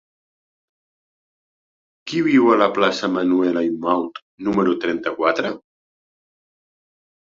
Qui viu a la plaça de Manuel Ainaud número trenta-quatre?